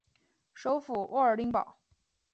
首府沃尔丁堡。